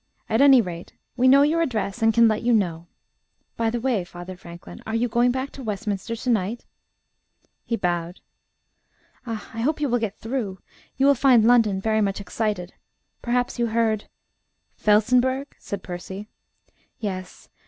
At any rate, we know your address, and can let you know.... By the way, Father Franklin, are you going back to Westminster to night?" He bowed. "Ah! I hope you will get through. You will find London very much excited. Perhaps you heard " "Felsenburgh?" said Percy. "Yes.